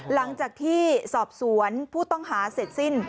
หลังจากที่สอบสวนผู้ต้องหาเสร็จสิ้น